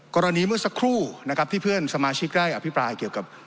เมื่อสักครู่นะครับที่เพื่อนสมาชิกได้อภิปรายเกี่ยวกับ